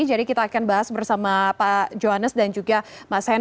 jadi kita akan bahas bersama pak juwades dan juga mas jokod